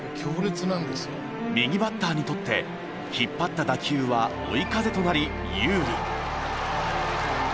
右バッターにとって引っ張った打球は追い風となり有利。